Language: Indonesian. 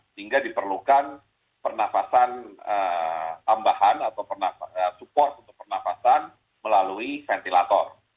sehingga diperlukan pernafasan tambahan atau support untuk pernafasan melalui ventilator